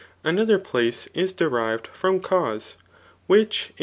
Another place is derived from cause, which if.